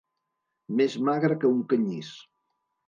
Més magre que un canyís.